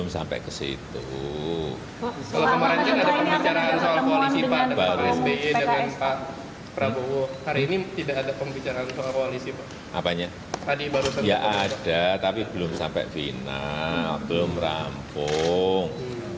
sampai final belum rampung